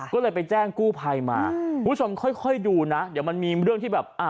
ก็เลยไปแจ้งกู้ภัยมาคุณผู้ชมค่อยดูนะเดี๋ยวมันมีเรื่องที่แบบอ่ะ